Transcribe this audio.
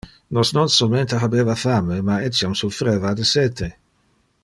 Nos non solmente habeva fame, ma etiam suffreva le sete.